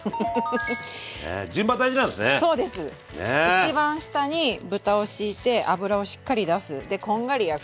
１番下に豚をしいて脂をしっかり出す。でこんがり焼く。